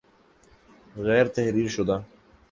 غیر تحریر شدہ